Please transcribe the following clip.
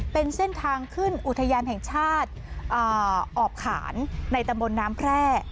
เป็นเส้นทางขึ้นอุทยานแห่งชาติออบขานในตำบลน้ำแพร่